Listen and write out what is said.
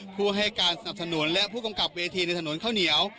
ผู้ให้การสนับสนุนและผู้กำกับเวทีในถนนข้าวเหนียว